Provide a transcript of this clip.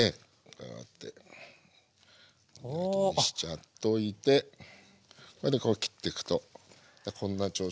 こうやって開きにしちゃっといてそれでこう切っていくとこんな調子でいつもこうやって。